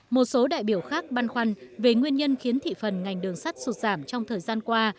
một số đại biểu khác băn khoăn về nguyên nhân khiến thị phần ngành đường sắt sụt giảm trong thời gian qua